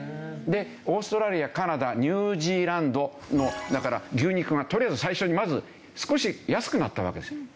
でオーストラリアカナダニュージーランドの牛肉がとりあえず最初にまず少し安くなったわけですよ。